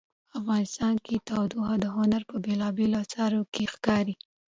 افغانستان کې تودوخه د هنر په بېلابېلو اثارو کې ښکاري.